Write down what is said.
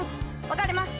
わかります。